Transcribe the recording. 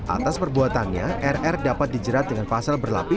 atas perbuatannya rr dapat dijerat dengan pasal berlapis